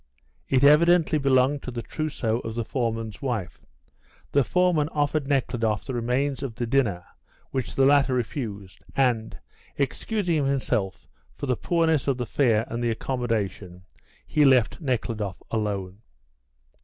It evidently belonged to the trousseau of the foreman's wife. The foreman offered Nekhludoff the remains of the dinner, which the latter refused, and, excusing himself for the poorness of the fare and the accommodation, he left Nekhludoff alone.